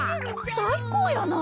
さいこうやな！